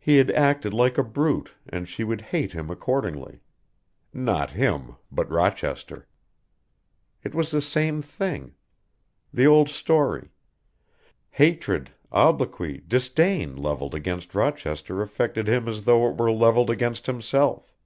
He had acted like a brute and she would hate him accordingly. Not him, but Rochester. It was the same thing. The old story. Hatred, obloquy, disdain levelled against Rochester affected him as though it were levelled against himself.